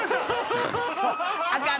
あかん。